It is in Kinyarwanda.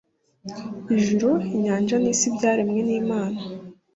Ijuru inyanja n’isi byaremwe n’Imana